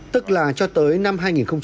tức là cho tới năm hai nghìn ba mươi